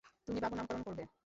তুমি বাবুর নামকরণ করবে।